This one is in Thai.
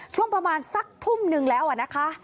ช่วงประมาณสักทุ่มนึงแล้วนะคะ